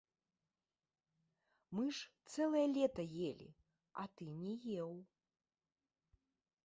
Мы ж цэлае лета елі, а ты не еў.